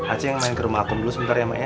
aceng main ke rumah aku dulu sebentar ya mak ya